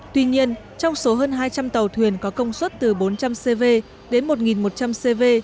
tuy nhiên trong số hơn hai trăm linh tàu thuyền có công suất từ bốn trăm linh cv đến một một trăm linh cv